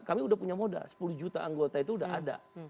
kami sudah punya modal sepuluh juta anggota itu sudah ada